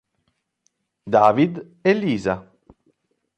David e Lisa